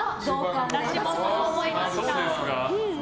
私もそう思いました！